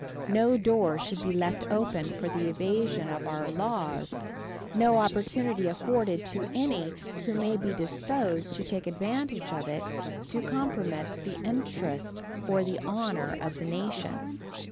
No door should be left open for the evasion of our laws, no opportunity afforded to any who may be disposed to take advantage of it to compromit the interest or the honor of the nation.